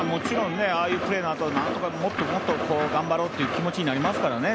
ああいうプレーのあとなんとかもっともっと頑張ろうっていう気持ちになりますからね